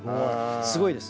すごいです。